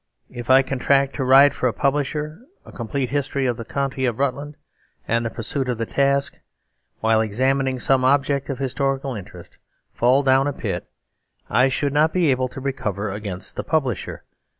If I contract to write for a publisher a complete History of the County of Rutland, and in the pursuit of that task, while exam ining some object of historical interest, fall down a pit, I should not be able to recover against the publisher.